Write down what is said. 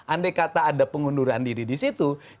andai kata ada pengunduran diri di situ